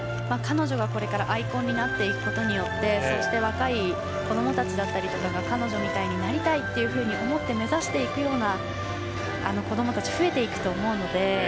彼女がこれからアイコンになっていくことによって若い子どもたちが彼女みたいになりたいと思って目指していくような子どもたちが増えていくと思うので。